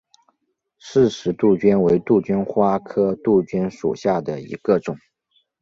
饰石杜鹃为杜鹃花科杜鹃属下的一个种。